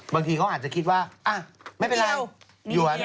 บางทีเขาอาจจะคิดว่าไม่เป็นไร